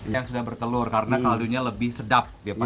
yang sudah bertelur karena kaldunya lebih sedap